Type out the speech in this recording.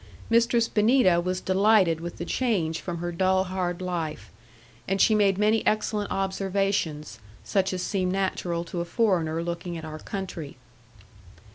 Mistress Benita was delighted with the change from her dull hard life; and she made many excellent observations, such as seem natural to a foreigner looking at our country.